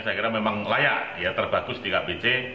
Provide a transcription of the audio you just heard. saya kira memang layak dia terbagus di kpc